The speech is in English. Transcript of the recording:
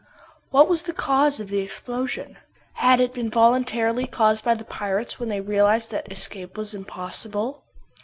What was the cause of the explosion? Had it been voluntarily caused by the pirates when they realized that escape was impossible?